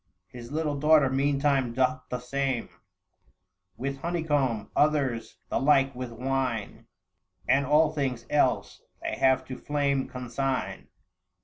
His little daughter meantime doth the same With honeycomb ; others the like with wine ; And all things else they have to flame consign.